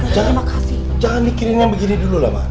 jangan dikirain yang begini dulu lah man